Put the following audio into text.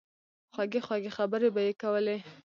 خوږې خوږې خبرې به ئې کولې